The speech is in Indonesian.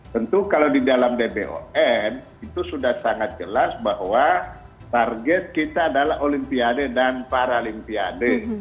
tentu kalau di dalam dbon itu sudah sangat jelas bahwa target kita adalah olimpiade dan paralimpiade